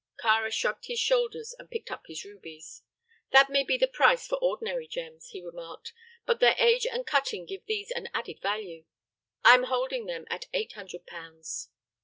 Kāra shrugged his shoulders and picked up the rubies. "That may be the price for ordinary gems," he remarked; "but their age and cutting give these an added value. I am holding them at eight hundred pounds."